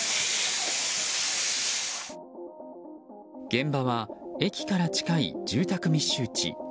現場は、駅から近い住宅密集地。